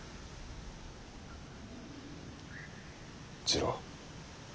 次郎。